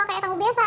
kayak tamu biasa